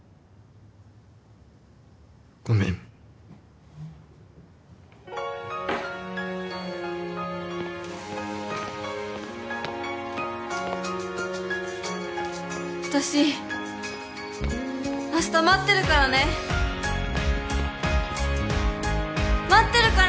ごめん私明日待ってるからね待ってるから！